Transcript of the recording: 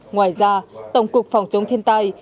ngoài ra tổng cục phòng chống thiên tai